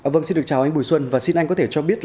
vâng xin được chào anh bùi xuân